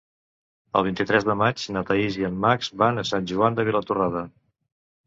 El vint-i-tres de maig na Thaís i en Max van a Sant Joan de Vilatorrada.